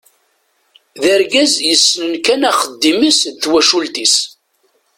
D argaz yessnen kan axeddim-is d twacult-is.